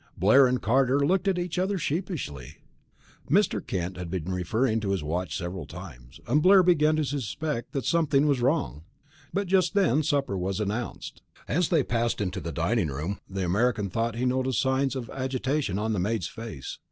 Blair and Carter looked at each other sheepishly. Mr. Kent had been referring to his watch several times, and Blair began to suspect that something was wrong. But just then supper was announced. As they passed into the dining room, the American thought he noticed signs of agitation on the maid's face.